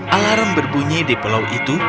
alarm berbunyi di pulau itu